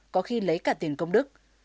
có khi lấy cả tiền công đức